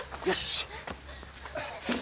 よし！